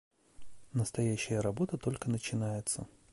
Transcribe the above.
Настоящая работа только начинается.